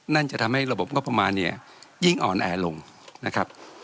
จะทำให้ระบบงบประมาณเนี่ยยิ่งอ่อนแอลงนะครับ